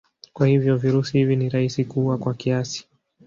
Kwa hivyo virusi hivi ni rahisi kuua kwa kiasi.